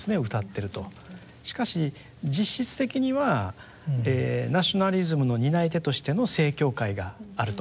しかし実質的にはナショナリズムの担い手としての正教会があると。